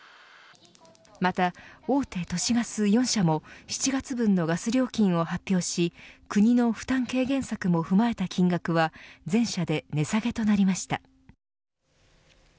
また大手都市ガス４社も７月分のガス料金を発表し国の負担軽減策も踏まえた金額は全社で値下げとなりました。